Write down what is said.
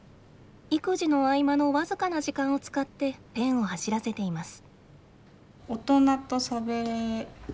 育児の合間の僅かな時間を使ってペンを走らせています。